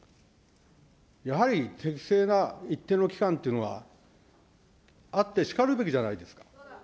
やはり適正な一定の期間というのはあってしかるべきじゃないですか。